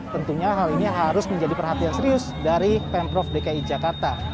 tentunya hal ini yang harus menjadi perhatian serius dari pemprov dki jakarta